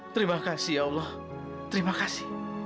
terima kasih ya allah terima kasih